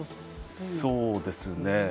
そうですね。